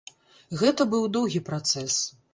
Гэта быў доўгі працэс.